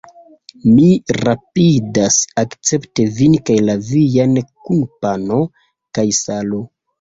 Mi rapidas akcepti vin kaj la viajn kun pano kaj salo!